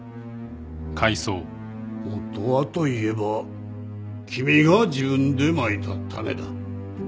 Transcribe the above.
もとはといえば君が自分でまいた種だ。